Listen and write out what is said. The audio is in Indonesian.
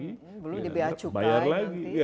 belum dibiacukai bayar lagi